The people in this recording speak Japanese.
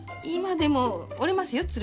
今でも折れますよ